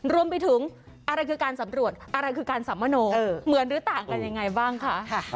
รวมไปถึงอะไรคือการสำรวจอะไรคือการสัมมโนเหมือนหรือต่างกันยังไงบ้างคะ